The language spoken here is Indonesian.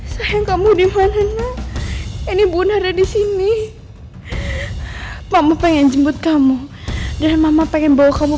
sayang kamu dimana ini bunuh ada di sini kamu pengen jemput kamu dan mama pengen bawa kamu